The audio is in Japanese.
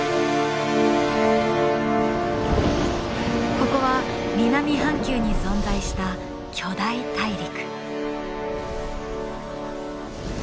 ここは南半球に存在した巨大大陸。